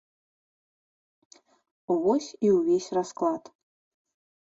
Вось, і ўвесь расклад.